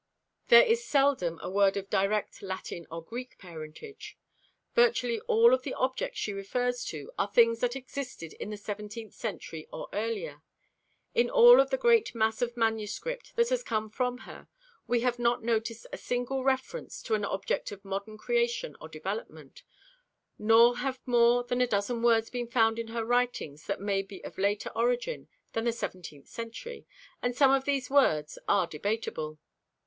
There is seldom a word of direct Latin or Greek parentage. Virtually all of the objects she refers to are things that existed in the seventeenth century or earlier. In all of the great mass of manuscript that has come from her we have not noticed a single reference to an object of modern creation or development; nor have more than a dozen words been found in her writings that may be of later origin than the seventeenth century, and some of these words are debatable.